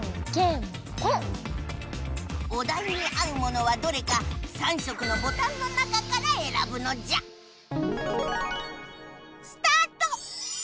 おだいに合うものはどれか３色のボタンの中からえらぶのじゃスタート！